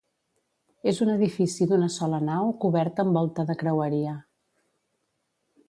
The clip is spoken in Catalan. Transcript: És un edifici d'una sola nau cobert amb volta de creueria.